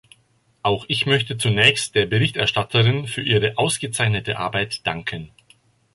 Auch ich möchte zunächst der Berichterstatterin für ihre ausgezeichnete Arbeit danken.